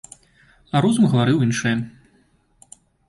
А розум гаварыў іншае.